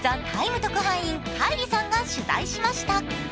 特派員、カイリさんが取材しました。